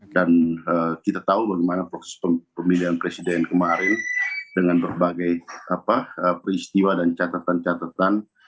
dan kita tahu bagaimana proses pemilihan presiden kemarin dengan berbagai peristiwa dan catatan catatan